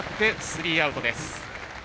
スリーアウトです。